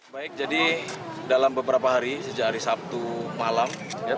baik jadi dalam beberapa hari sejak hari sabtu malam